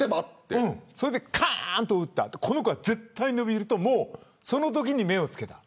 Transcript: それでかーんと打った後この子は絶対に伸びるとそのときに目をつけた。